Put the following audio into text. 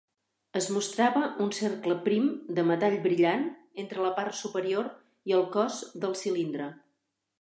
Es mostrava un cercle prim de metall brillant entre la part superior i el cos del cilindre.